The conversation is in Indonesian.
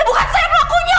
bukan saya pelakunya